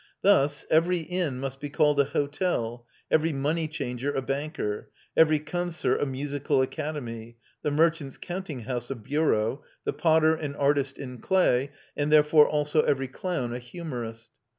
Thus every inn must be called a hotel, every money changer a banker, every concert a musical academy, the merchant's counting house a bureau, the potter an artist in clay, and therefore also every clown a humourist.